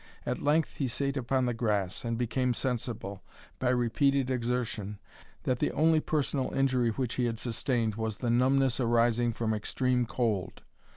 At length he sate upon the grass, and became sensible, by repeated exertion, that the only personal injury which he had sustained was the numbness arising from extreme cold.